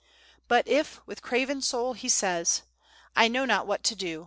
But if, with craven soul, he says, "I know not what to do.